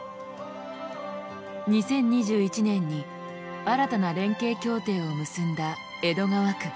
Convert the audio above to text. ２０２１年に新たな連携協定を結んだ江戸川区。